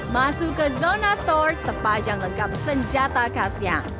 masuk ke zona tork terpajang lengkap senjata khasnya